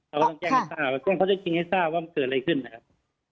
เราต้องแจ้งเขาจะจริงให้ทราบว่าเกิดอะไรขึ้นนะครับ